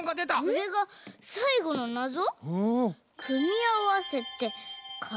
これがさいごのなぞ？